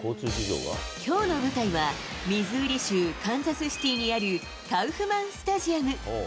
きょうの舞台は、ミズーリ州カンザスシティにあるカウフマンスタジアム。